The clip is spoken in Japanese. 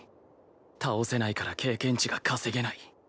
倒せないから経験値が稼げない。